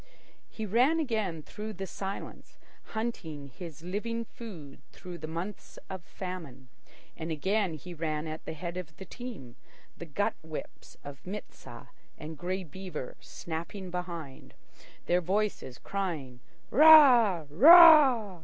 He ran again through the silence, hunting his living food through the months of famine; and again he ran at the head of the team, the gut whips of Mit sah and Grey Beaver snapping behind, their voices crying "Ra! Raa!"